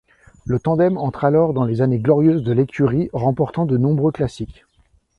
Le tandem entre alors dans les années glorieuses de l'écurie, remportant de nombreux classiques.